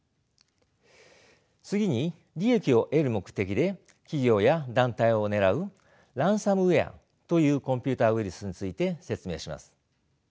次に利益を得る目的で企業や団体を狙うランサムウェアというコンピューターウイルスについて説明します。